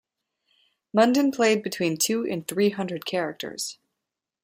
Munden played between two and three hundred characters.